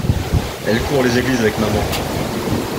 Elle court les églises avec maman.